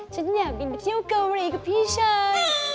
ฉันอยากบินไปเที่ยวเกาหลีกับพี่ชาย